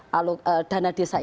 mengalami alokasi dana desa ini